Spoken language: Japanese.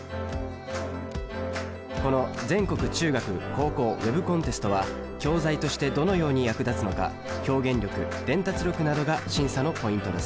この全国中学高校Ｗｅｂコンテストは教材としてどのように役立つのか表現力伝達力などが審査のポイントです。